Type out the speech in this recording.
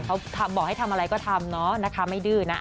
เขาบอกให้ทำอะไรก็ทำเนาะนะคะไม่ดื้อนะ